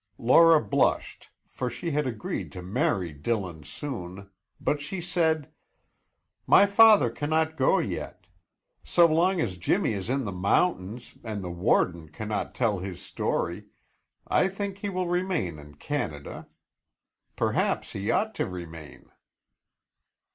Laura blushed, for she had agreed to marry Dillon soon, but she said, "My father cannot go yet. So long as Jimmy is in the mountains and the warden cannot tell his story, I think he will remain in Canada. Perhaps he ought to remain."